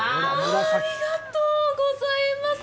わあ、ありがとうございます！